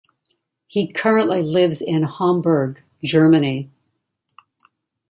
He currently lives in Hamburg, Germany.